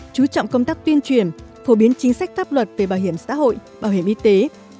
chú trọng công tác tuyên truyền phổ biến chính sách pháp luật về bảo hiểm xã hội bảo hiểm y tế